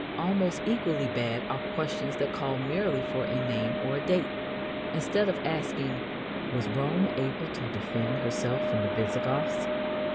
Almost equally bad are questions that call merely for a name or a date. Instead of asking: "Was Rome able to defend herself from the Visigoths?"